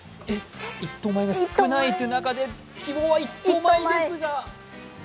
１等米が少ないという中で希望は１等米ですが？